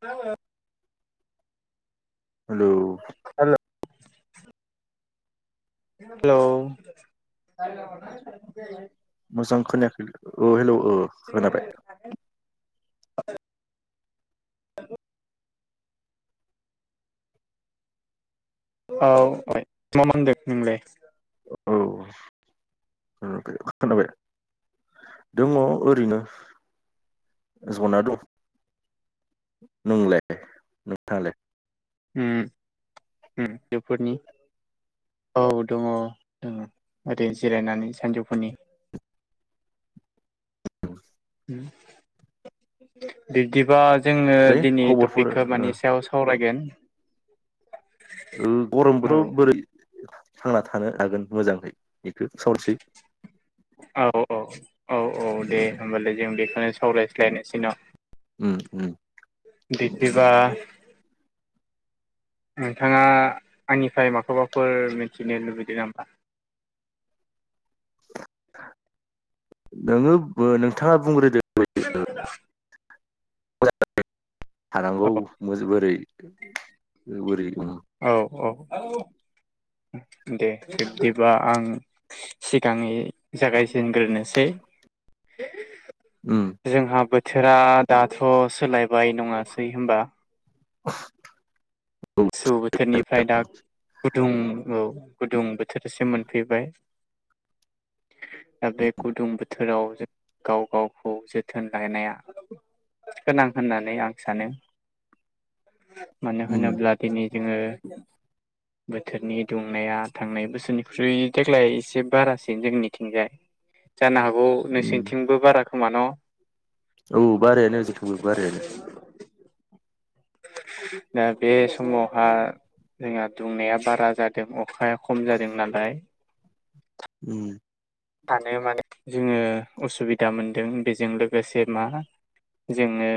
औ hello hello hello मोजां खोनायाखैलै ओ हेलौ ओ खोनाबाय [unintelligible] औ मा खालामदों नोंलाय औ खोनाबाय दङ ओरैनो जना दं नोंलाय नोंथाङालाय उम उम बेफोरनि औ दङ जोङो ओरैनो जिरायनानै सानजौफुनि [inaudible] बिब्दिबा जोङो ओमफ्राय दिनै खबरफोर टपिकखौ मानानि सायाव सावराय गोन गरम बोथोराव बोरै थांना थानो हागोन मोजांहै बेखौ सावरानोसै औ औ औ औ दे होमबालाय जों बेखौनो सावरायस्लायनोसै न उम उम बिदिबा [inaudible] नोंथाङा आंनिफ्राय माखौबाफोर मिथिनो लुबैदों नामा नोङो नोंथाङा बुंग्रोदो [unintelligible] [unintelligible] थानांगौ बोरै बोरै औ औ [inaudible] दे बिब्दिबा आं सिगाङै जागायजेनग्रोनोसै उम [unintelligible] जोंहा बोथोरा दाथ सोलायबाय नङासै होनबा [inaudible] गुसु बोथोरनिफ्राय दा गुदुं औ गुदुं बो थोरसिम मोनफैबाय दा बे गुदुं बोथोराव गाव गावखौ जोथोन लानाया गोनां होननानै आं सानो [inaudible] मानो होनोब्ला दिनै जोङो बोथोरनि दुंनाया थांनाय बोसोरनिख्रुइ देग्लाय एसे बारासिन जोंनिथिंजाय जानो हागौ उम नोंसोरनिथिंबो बारा खोमा न औ बारायानो जोंनिथिंबो बारायानो दा बे समावहा जोंहा दुंनाया बारा जादों अखाया खम जादों नालाय उम थानो माने जोङो उसुबिदा मोनदों बेजों लोगोसे मा जोङो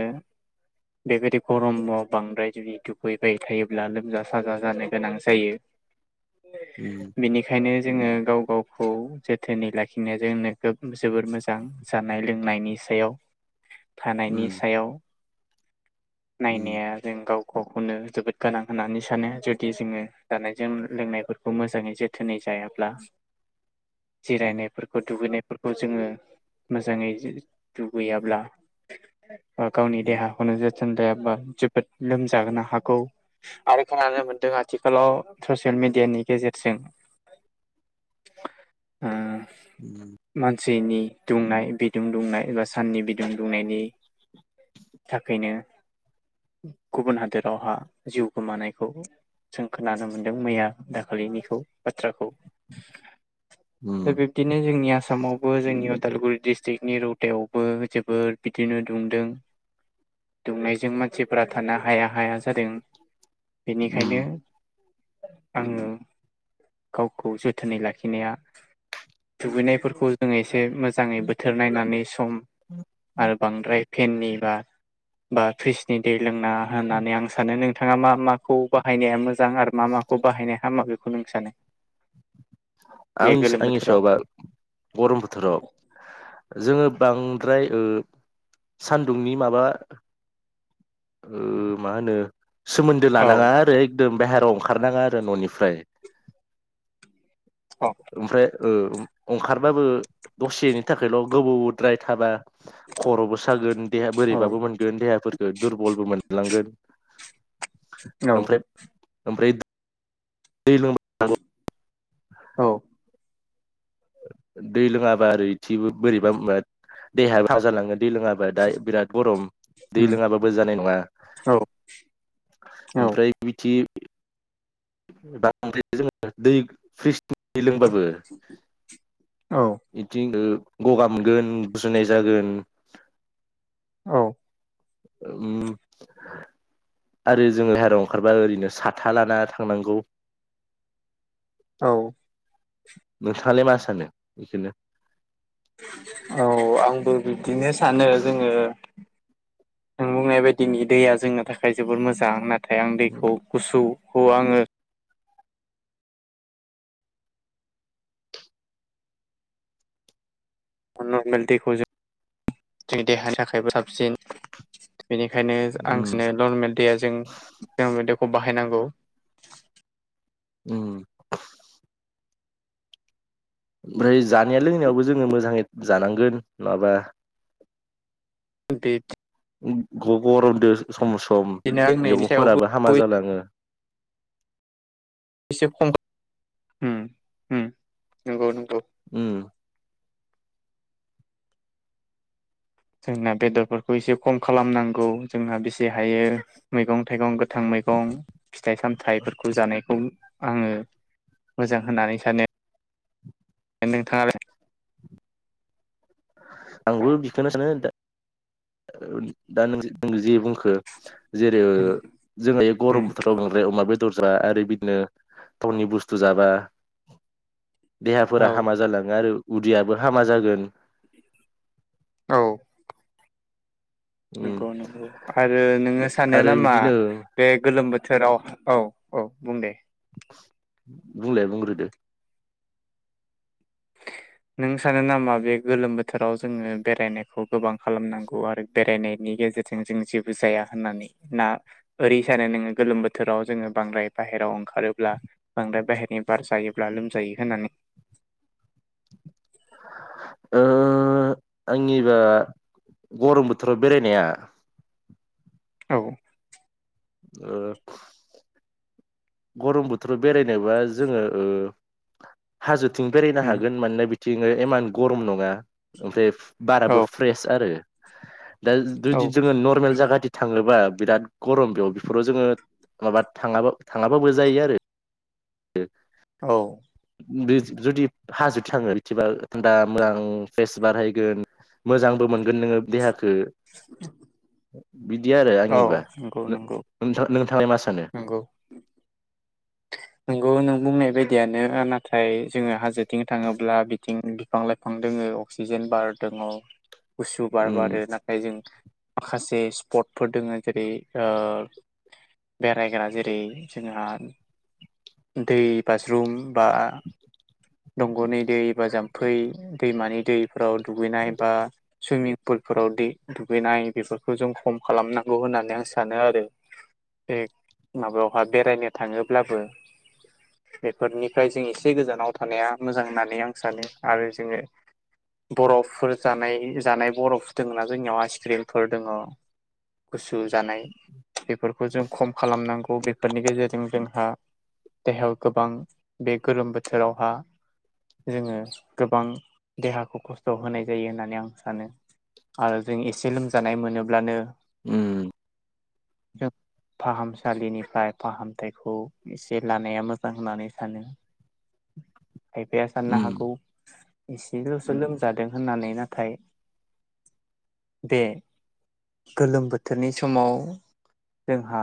बेबायदि गरमाव बांद्राय जुदि दुगैबाय थायोब्ला लोमजा साजा जानो गोनां जायो। उम बेनिखायनो जोङो गाव गावखौ जोथोनै लाखिनाया जोंनो जोबोर मोजां जानाय लोंनायनि सायाव थानायनि उम सायाव उम नायनाया जों गाव गावखौनो जोबोद गोनां होननानै सानो जुदि जोङो जानायजों लोंनायफोरखौ मोजाङै जोथोनै लायाब्ला [inaudible] जिरायनायफोरखौ दुगैनाय। फोरखौ जोङो मोजाङै दुगैयाब्ला गावनि देहाखौनो जोथोन लायाबा जोबोद लोमजोनो हागौ। आरो खोनानो मोन्दों आथिखालाव ससियेल मिडियानि गेजेरजों [inaudible] उम उम सानसेनि दुंनाय बिदुं दुंनाय बा साननि बिदुं दुंनायनि थाखायनो गुबुन हादोरावहा जिउ गोमानायखौ। जों खोनानो मोन्दों मैया दाखालिनिखौ बाथ्राखौ। दा उम बिब्दिनो जोंनि आसामावबो जोंनि। उदालगुरि डिस्ट्रिकनि रौथायावबो जोबोद बिदिनो दुंदों दुंनायजों मानसिफोरा थानो हाया हाया जादों। उम बेनिखायनो आङो गावखौ जोथोनै लाखि नाया दुगैनायफोरखौ जोङो एसे मोजाङै बोथोर नायनानै सम आरो बांद्राय फेननि बा बा फ्रिजनि दै लोंना होननानै आं सानो नों थाङा मा माखौ बाहायनाया मोजां आरो मा माखौ बाहायनाय हामा बेखौ नों सानो? बे आं गोलोम आंनि बोथोराव सायावबा गरम बोथोराव जोङो बांद्राय ओ सान्दुंनि माबा मा होनो सोमोन्दो औ लानाङा आरो एकदम बहेरायाव ओंखारनाङा आरो न'निफ्राय। औ ओमफ्राय ओंखारबाबो दसेनि थाखायल' गोबावद्राय थानाङा खर'बो सागोन देहा बोरैबाबो मोनगोन देहाफोरखौ दुरबलबो मोनलांगोन। औ। ओमफ्राय ओमफ्राय दै ल औ। दै लोङाबा ओरै थबो बोरैबा देहायो बा जालाङो दै लोङाबा दा बिराद गरम दै उम लोङाबाबो जानाय नङा औ औ ओमफ्राय बिदि बां्र जोो दै फ्रिजनि लोंबाबो औ बिदि गगा मोनगोन बुजुनाय जागोन औ। उम। आरो जोङ लाहेरायाव ओंखारबा ओरैनो साथा लाना थांनांगौ। औ। नोंथाङालाय मा सानो बेखौनो। औ आंबो बिदिनो सानो जोङो आं बुंनाय बायदिनि दैया जोंनो थाखाय जोबोर मोजां नाथाय आं उम दैखौ गुसु। खौ आङो। नर्मेल दैखौ जों जोंनि देहानि थाखायबो साबसिन बेनिखायनो आंसिनो नरमेल दैया जों खौ बाहायनांगौ। उम। ओमफ्राय जानाया लोंनायावबो जोङो मोजाङै जानांगोन नङाबा। [unintelligible] गरमजों सम सम लोंनायनि सायावबो मैगंफोराबो हामा जालाङो [unintelligible] नंगौ नंगौ उम जोंना बेदरफोरखौ एसे खम खालामनांगौ जोंना बेसे हायो मैगं थाइगं गोथां मैगं फिथाइ सामथाइफोरखौ जानायखौ आङो मोजां होननानै सानो ‌। नोंथाङा आंबो बिखौनो सानो दा। दा नों नों जि बुंखो जेरै जोंहा बे गरम बोथोराव नांद्राय अमा बे दर जा आरो बिदिनो टावउननि बुस्थु जाबा देहाफोरा औ हामा जालाङो आरो उदियाबो हामा जागोन। औ उम नंगौ नंगौ आरो नोङो सानो आरो नामा बिदिनो बे गोलोम बोथोर बोथोराव औ औ बुं दे बुंलाय बुंग्रोदो। [inaudible] नों सानो नामा बे गोलोम बोथोराव जोङो बेरायनायखौ गोबां खालामनांगौ आरो बेरायनायनि गेजेरजों जों जेबो जाया होननानै ना ओरै सानो नोङो गोलोम बोथोराव जोङो बांद्राय बाहेर ेराव ओंखारोब्ला बांद्राय बाहेरनि बार जायोब्ला लोमजायो होननानै आंनिबा गरम बोथोराव बेरायनाया औ अ गरम बोथोराव बेरायनायबा जोङो ओ हाजोथिं बेरायनो उम हागोन मानोना बिथिं इमान गरम नङा ओमफ्राय औ बाराबो फ्रेस आरो। दा औ जुदि जोङो नर्मेल जाखाथि थाङोबा बिराद गरम बेयाव बेफोराव जोङो माबा थाङाब थाङाबाबो जायो आरो। ए औ जुदि हाजो थाङो बिथिबा थान्दा मोजां फेरेस बार बारायगोन। मोजांबो मोनगोन नोङो देहाखौ। बिदि आरो औ आंनिबा नंगौ नंगौ थां नोंथाङ मा सानो? नोंगौ नों बुंनाय बायदियानो ओ नाथाय जोङो हाजोथिं थाङोब्ला बिथिं बिफां लाइफां दोङो अक्सिजेन बार दङ। गुसु बार उम बारो नाथाय जों माखासे स्पटफोर दोङ जेरै ओ बेरायग्रा जेरै जोंहा दै बाजरुम बा दंग'नि दै बा जाम्फै दैमानि दैफोराव दुगैनाय बा सुइमिं पुलफोराव दुगैनाय बेफोरखौ जों खम खालामनांगौ होननानै आं सानो आरो। ए माबायावहा बेरायनो थाङोब्लाबो बेफोरनिफ्राय जों एसे गोजानाव थानाया मोजां होननानै आं सानो आरो जोङो बरफफोर जानाय जानाय बरफफोर दङा जोंनियाव आइसक्रिमफोर दङ। गुसु जानाय बेफोरखौ जों खम खालामनांगौ बेफोरनि गेजेरजों जों देहायाव गोबां बे गोलोम बोथोरावहा जोङो गोबां देहाखौ खस्थ' होनाय जायो होननानै आं सानो। आरो जों एसे लोमजानाय मोनोब्लानो उम जों फाहामसालिनिफ्राय फाहामथायखौ एसे लानाया मोजां होननानै सानो। खायफाया साननो हागौ एसेल'सो लोमजादों होननानै नाथाय बे गोलोम बोथोरनि समाव जोंहा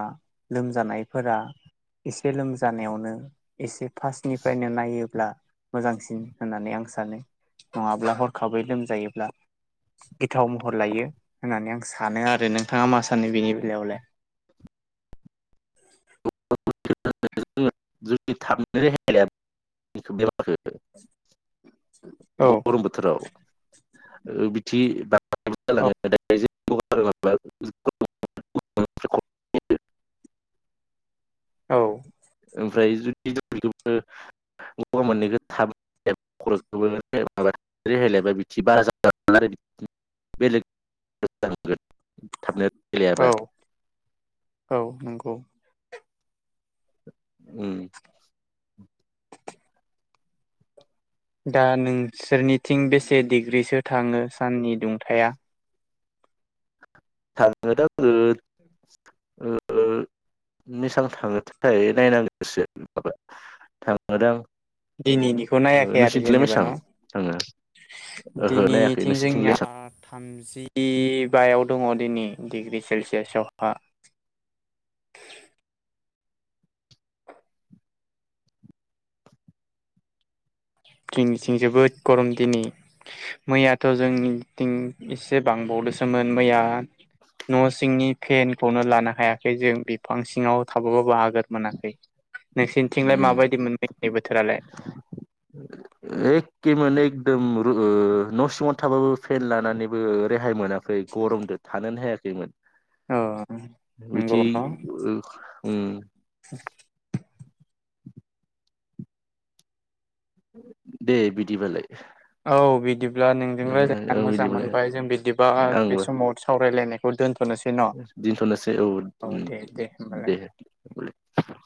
लोमजानायफोरा एसे लोमजानायावनो एसे फार्स्टनिफ्रायनो नायोब्ला मोजांसिन होननानै आं सानो नङाब्ला हरखाबै लोमजायोब्ला गिथाव महर लायो होननानै आं सानो आरो नोंथाङा मा सानो बेनि बेलायावलाय [inaudible] जु थाबनो रे [unintelligible] औ गरम बोथोराव बिथि औ [unintelligible] औ। ओमफ्राय जुदिखौ गवा मोननैखौ थाबाय रायलायबा बिदि बारा जोन आरो थाबनो रेहाय लायाबा औ औ नंगौ। उ [inaudible] दा नोंसोरनिथिं बेसे डिग्रिसो थाङो साननि दुंथाया थांडो दां ओ ओआ बेसेबां थाङोथाय नायनांगोनसो माबा थांदों। दिनैनिखौ नायाखै आरो जेनेबा मेसां थाङो न' ओहो नायाखै दिनैथिं नोंसिनिथिंलाय जोंनिया मेसां थामजि जि बायाव दङ दिनै सेलसियासआवहा [inaudible] जोंनिथिं जोबोद गरम दिनै मैयाथ' जोंनिथिं इसे बांबावदोंसोमोन मैया न' सिंनि फेनखौनो लानो हायाखै जों बिफां सिङाव थाबोबाबो आगोर मोनाखै नोंसिनिथिंलाय उम माबायदि मोनबाय नै बोथोरालाय एखे माने एकदम न' सिङाव थाबाबो फेन लानानैबो गाहाय मोनाखै गरमजों थानोनो हायाखैमोन। औ नंगौ बिदि न' ओम [unintelligible] दे बिदिबालाय‌। औ बिदिब्ला नोंजों रायज्ला ओ मोजां बिदिबालाय मोनबाय जों बिदिबा आंबो बे समाव सावरायलायनाय दोनथ'नोसै औ दे दे होमबालाय देलाय [inaudible]